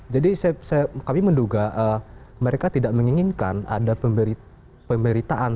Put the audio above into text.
jadi kami menduga mereka tidak menginginkan ada pemberitaan